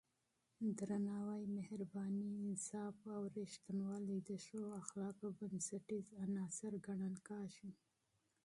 درناوی، مهرباني، انصاف او صداقت د ښو اخلاقو بنسټیز عناصر ګڼل کېږي.